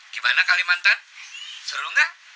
gimana kalimantan seru nggak